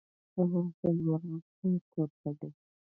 افغانستان د مورغاب سیند کوربه دی.